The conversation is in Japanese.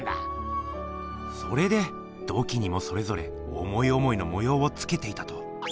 それで土器にもそれぞれ思い思いの模様をつけていたと。